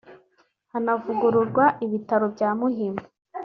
hanavugururwa ibitaro bya Muhima